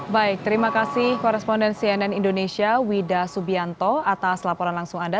baik terima kasih koresponden cnn indonesia wida subianto atas laporan langsung anda